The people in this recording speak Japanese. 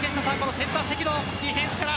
セッター関のディフェンスです。